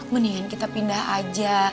mendingan kita pindah aja